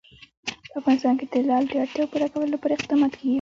په افغانستان کې د لعل د اړتیاوو پوره کولو لپاره اقدامات کېږي.